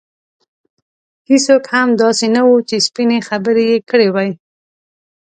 هېڅوک هم داسې نه وو چې سپینې خبرې یې کړې وای.